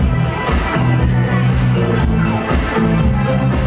ไม่ต้องถามไม่ต้องถาม